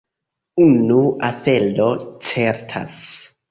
Unu afero certas.